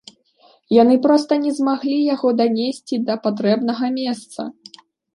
Яны проста не змаглі яго данесці да патрэбнага месца.